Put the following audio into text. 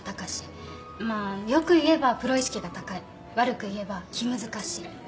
まあ良く言えばプロ意識が高い悪く言えば気難しい。